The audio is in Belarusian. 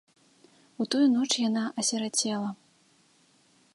У тую ноч яна асірацела.